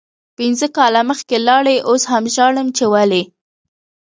پنځه کاله مخکې لاړی اوس هم ژاړم چی ولې